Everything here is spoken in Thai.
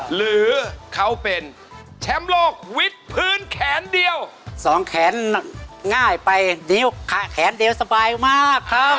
หรือเขาเป็นแชมป์โลกวิดพื้นแขนเดียวสองแขนง่ายไปแขนเดียวสบายมากครับ